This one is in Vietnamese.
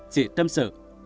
chị tâm sự